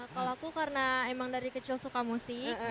kalau aku karena emang dari kecil suka musik